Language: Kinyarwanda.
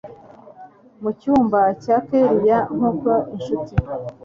mucyumba cya kellia nkuko inshuti